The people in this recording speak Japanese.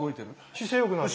姿勢よくなる！